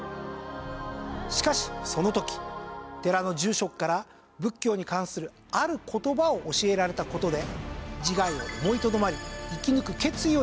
しかしその時寺の住職から仏教に関するある言葉を教えられた事で自害を思いとどまり生き抜く決意をしたといいます。